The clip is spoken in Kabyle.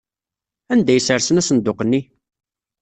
Anda ay ssersen asenduq-nni?